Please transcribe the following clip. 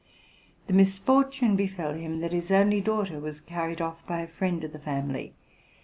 The misfortune befell him that his only daughter was carried off by a friend of the family.